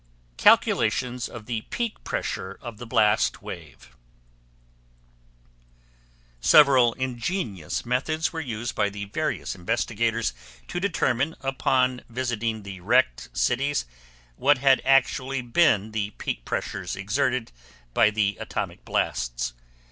CALCULATIONS OF THE PEAK PRESSURE OF THE BLAST WAVE Several ingenious methods were used by the various investigators to determine, upon visiting the wrecked cities, what had actually been the peak pressures exerted by the atomic blasts.